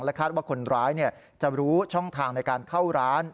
คาดว่าคนร้ายจะรู้ช่องทางในการเข้าร้าน